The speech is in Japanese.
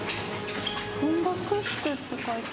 音楽室って書いて。